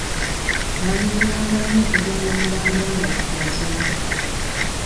Twanyumirwanga nnyo okugenda okulambula nga tukyasoma